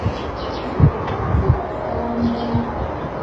زړه د پاک فکر خاوند دی.